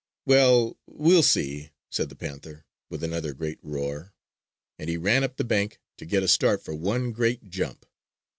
"Well, we'll see!" said the panther, with another great roar; and he ran up the bank to get a start for one great jump.